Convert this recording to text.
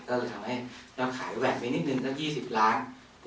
ก็เลยทำให้เราให้มันแหวนไปนิดนึงกัน๒๐ล้าง